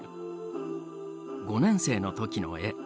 ５年生の時の絵。